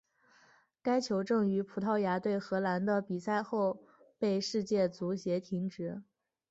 该球证于葡萄牙对荷兰的比赛后被世界足协停职。